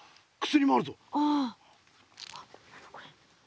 薬もあるぞ。